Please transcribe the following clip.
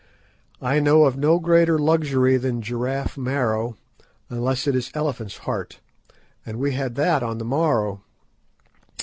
I know of no greater luxury than giraffe marrow, unless it is elephant's heart, and we had that on the morrow.